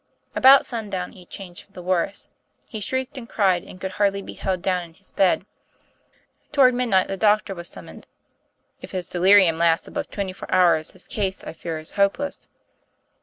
About sundown he changed for the worse. He shrieked and cried, and could hardly be held down in his bed. Toward midnight the doctor was sum moned. "If his delirium lasts above twenty four hours, his case, I fear, is hopeless."